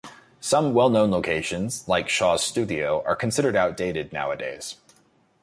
Some well-known locations, like Shaw's Studio are considered outdated nowadays.